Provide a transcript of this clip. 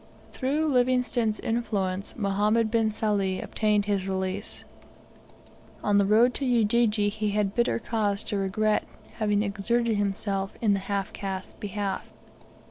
Through Livingstone's influence Mohammed bin Sali obtained his release. On the road to Ujiji he had bitter cause to regret having exerted himself in the half caste's behalf.